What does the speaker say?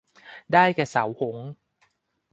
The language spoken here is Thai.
ได้แก่เสาหงส์